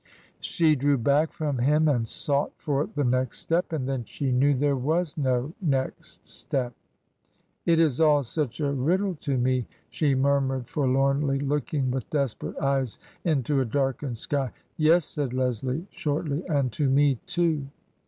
She drew back from him and sought for the next step. And then she knew there was no next step. " It is all such a riddle to me," she murmured, for lornly, looking with desperate eyes into a darkened sky. " Yes," said Leslie, shortly, " and to me too."